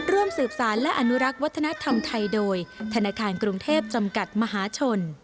ร่วมสืบสารและอนุรักษ์วัฒนธรรมไทยโดยธนาคารกรุงเทพจำกัดมหาชน